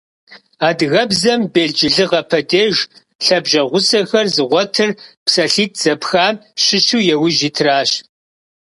Адыгэбзэм белджылыгъэ падеж лъабжьэгъусэхэр зыгъуэтыр псалъитӏ зэпхам щыщу яужь итращ.